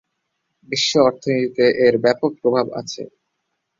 বিশ্ব অর্থনীতিতে এর ব্যাপক প্রভাব আছে।